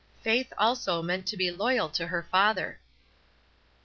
Faith also meant to be loyal to her father.